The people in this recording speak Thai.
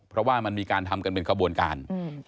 เพราะว่ามันมีการทำกันเป็นขบวนการ